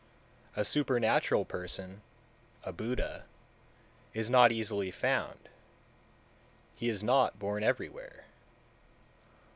193. A supernatural person (a Buddha) is not easily found, he is not born everywhere.